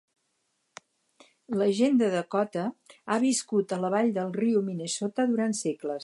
La gent de Dakota ha viscut a la vall del riu Minnesota durant segles.